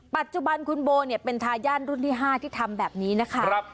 ปัจจุบันคุณโบเนี่ยเป็นทายาทรุ่นที่๕ที่ทำแบบนี้นะคะ